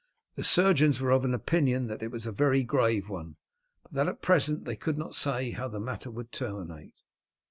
The surgeons were of opinion that it was a very grave one, but that at present they could not say how the matter would terminate.